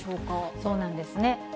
そうなんですね。